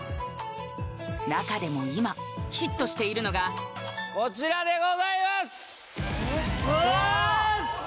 中でも今ヒットしているのがこちらでございますザーン！